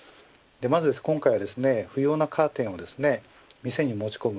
今回は不要のカーテンを店に持ち込む。